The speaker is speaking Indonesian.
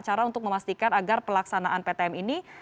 cara untuk memastikan agar pelaksanaan ptm ini